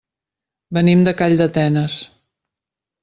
Venim de Calldetenes.